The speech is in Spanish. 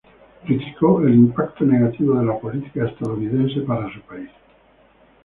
Criticó el impacto negativo de la política estadounidense para su país.